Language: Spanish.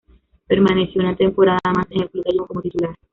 Permaneció una temporada más en el club gallego como titular.